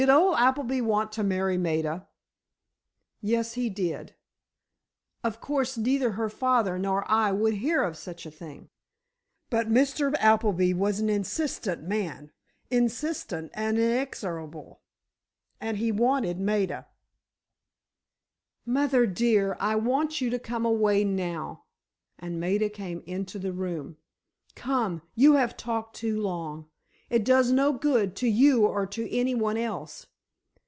"Did old Appleby want to marry Maida?" "Yes, he did. Of course, neither her father nor I would hear of such a thing, but Mr. Appleby was an insistent man—insistent and inexorable—and he wanted Maida——" "Mother dear, I want you to come away now," and Maida came into the room. "Come, you have talked too long. It does no good, to you or to any one else.